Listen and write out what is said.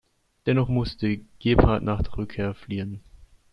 Dennoch musste Gebhard nach der Rückkehr fliehen.